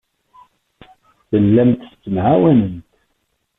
Tellamt tettemɛawanemt.